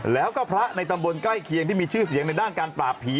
แล้วก็พระในตำบลใกล้เคียงที่มีชื่อเสียงในด้านการปราบผี